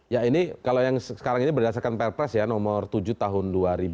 ya ini kalau yang sekarang ini berdasarkan perpres ya nomor tujuh tahun dua ribu dua